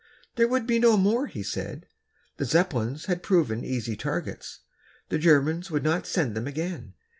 There would be no more, he said. The Zeppelins had proved easy targets, the Germans would not send them again.